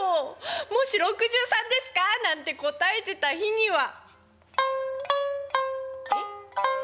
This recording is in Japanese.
もし「６３ですか？」なんて答えてた日には「え？